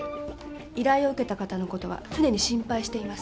依頼を受けた方のことは常に心配しています。